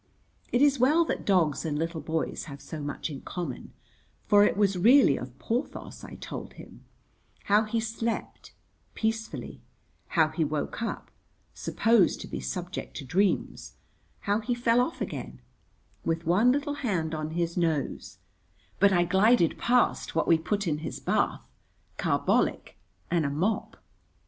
It is well that dogs and little boys have so much in common, for it was really of Porthos I told him; how he slept (peacefully), how he woke up (supposed to be subject to dreams), how he fell off again (with one little hand on his nose), but I glided past what we put in his bath (carbolic and a mop).